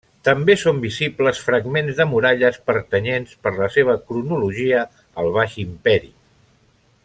També són visibles fragments de muralles, pertanyents, per la seva cronologia, al Baix Imperi.